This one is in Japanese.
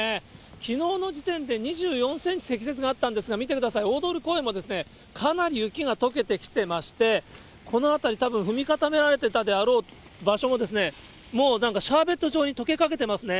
きのうの時点で２４センチ積雪があったんですが、見てください、大通公園もかなり雪がとけてきてまして、この辺り、たぶん踏み固められてたであろう場所がもう、なんかシャーベット状にとけかけてますね。